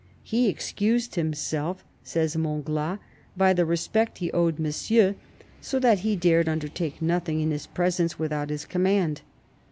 " He excused himself," says Montglat, " by the respect he owed Monsieur, so that he dared undertake nothing in his presence without his command."